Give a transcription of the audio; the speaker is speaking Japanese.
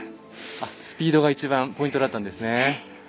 スピードが一番ポイントだったんですね。